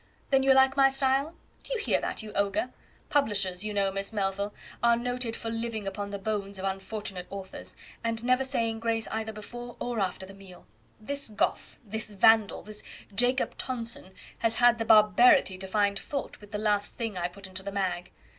Then you like my style? Do you hear that, you ogre? Publishers, you know, Miss Melville, are noted for living upon the bones of unfortunate authors, and never saying grace either before or after the meal. This Goth, this Vandal, this Jacob Tonson, has had the barbarity to find fault with the last thing I put into the "Mag"."